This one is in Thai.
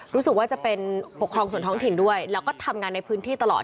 รู้สึกว่าจะเป็นปกครองส่วนท้องถิ่นด้วยแล้วก็ทำงานในพื้นที่ตลอด